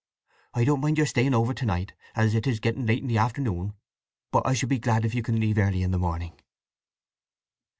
I don't mind your staying over to night, as it is getting late in the afternoon; but I shall be glad if you can leave early in the morning."